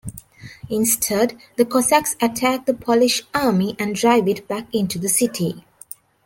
Instead, the Cossacks attack the Polish army and drive it back into the city.